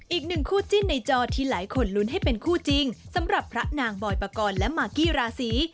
อีกหนึ่งคู่จิ้นในจอที่หลายคนลุ้นให้เป็นคู่จริงสำหรับพระนางบอยปกรณ์และมากกี้ราศี